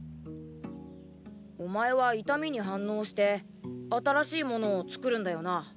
お前は痛みに反応して新しいものを作るんだよな。